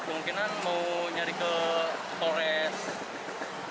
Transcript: jadi kita mau nyari ke polres